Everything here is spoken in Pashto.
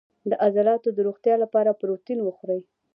د عضلاتو د روغتیا لپاره پروتین وخورئ